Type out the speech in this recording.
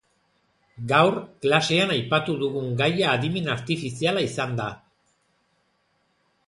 Gaur, klasean aipatu dugun gaia adimen artifiziala izan da.